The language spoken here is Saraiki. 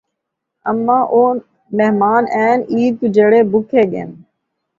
اماں او مہمان آئین، عید کو جیڑھے بکھے ڳئین